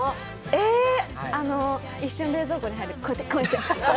え、一瞬、冷蔵庫に入る、こうやって。